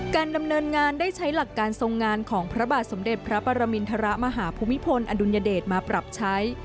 การดำเนินงานได้ใช้หลักการทรงงานของพระบาทสมเด็จพระปรมินทรมาหาภูมิพลอดุลยเดชมาปรับใช้